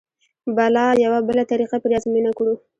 به لا یوه بله طریقه پرې ازموینه کړو.